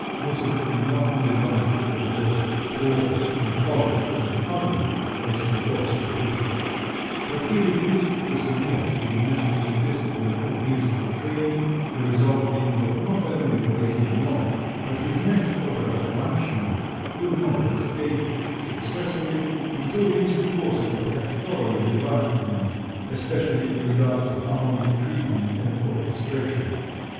Moussorgsky not only liked what was "coarse, unpolished and ugly," as Tchaikovsky put it, but he refused to submit to the necessary discipline of musical training, the result being that not only "Boris Godounov," but his next opera, "Kovanstchina," could not be staged successfully until Rimsky Korsakov had thoroughly revised them, especially in regard to harmonic treatment and orchestration.